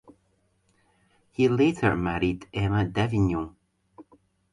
He later married Emma Davignon.